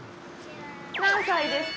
何歳ですか？